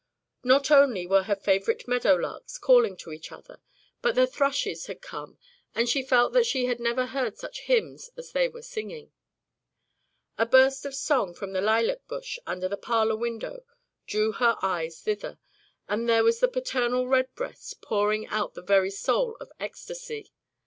Not only were her favorite meadow larks calling to each other, but the thrushes had come and she felt that she had never heard such hymns as they were singing. A burst of song from the lilac bush under the parlor window drew her eyes thither, and there was the paternal redbreast pouring out the very soul of ecstasy.